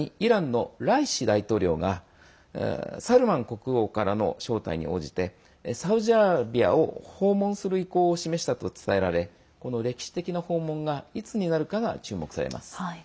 さらにイランのライシ大統領がサルマン国王からの招待に応じてサウジアラビアを訪問する意向を示したと伝えられ歴史的な訪問がいつになるかが注目されます。